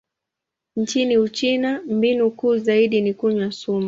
Nchini Uchina, mbinu kuu zaidi ni kunywa sumu.